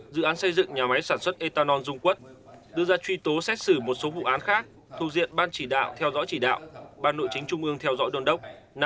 dự án xây dựng nhà máy sản xuất ethanol dung quất đưa ra truy tố xét xử một số vụ án khác thuộc diện ban chỉ đạo theo dõi chỉ đạo ban nội chính trung ương theo dõi đồn đốc